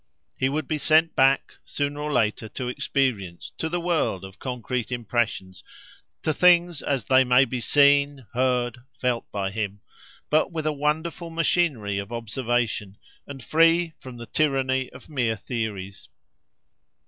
He would be sent back, sooner or later, to experience, to the world of concrete impressions, to things as they may be seen, heard, felt by him; but with a wonderful machinery of observation, and free from the tyranny of mere theories.